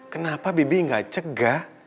kenapa bibi gak cegah